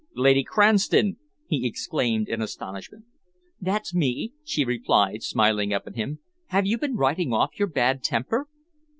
"Lady Cranston!" he exclaimed in astonishment. "That's me," she replied, smiling up at him. "Have you been riding off your bad temper?"